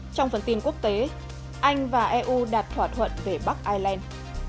trong phần tin quốc tế anh và eu đạt thỏa thuận về bắc ireland